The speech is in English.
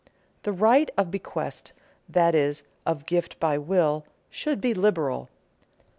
The right of bequest, that is, of gift by will, should be liberal.